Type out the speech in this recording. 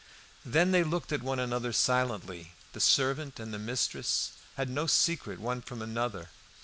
Then they looked at one another silently. The servant and mistress had no secret one from the other.